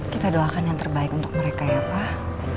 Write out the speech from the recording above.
kita doakan yang terbaik untuk mereka ya pak